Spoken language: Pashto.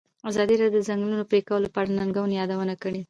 ازادي راډیو د د ځنګلونو پرېکول په اړه د ننګونو یادونه کړې.